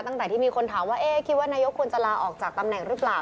ตั้งแต่ที่มีคนถามว่าเอ๊ะคิดว่านายกควรจะลาออกจากตำแหน่งหรือเปล่า